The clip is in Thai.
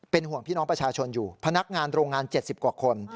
ห่วงพี่น้องประชาชนอยู่พนักงานโรงงาน๗๐กว่าคน